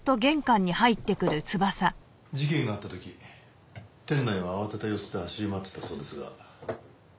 事件があった時店内を慌てた様子で走り回ってたそうですが。